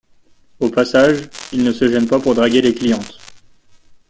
Au passage, il ne se gêne pas pour draguer les clientes.